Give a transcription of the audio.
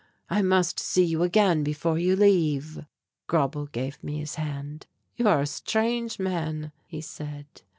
I must see you again before you leave." Grauble gave me his hand. "You are a strange man," he said.